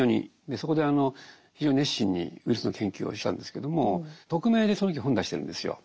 そこで非常に熱心にウイルスの研究をしてたんですけども匿名でその時本を出してるんですよ。